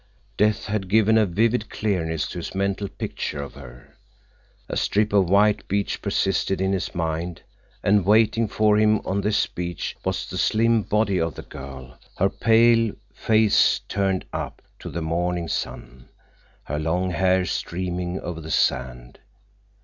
Death had given a vivid clearness to his mental pictures of her. A strip of white beach persisted in his mind, and waiting for him on this beach was the slim body of the girl, her pale face turned up to the morning sun, her long hair streaming over the sand.